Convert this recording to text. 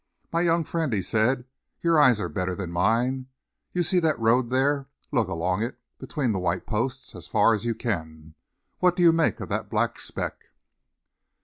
"My young friend," he said, "your eyes are better than mine. You see the road there? Look along it, between the white posts, as far as you can. What do you make of that black speck?"